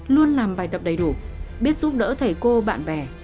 luôn làm bài tập đầy đủ biết giúp đỡ thầy cô bạn bè